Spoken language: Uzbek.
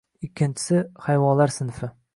Ikkinchisi: hayvonlar sinfi